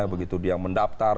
begitu dia mendaftar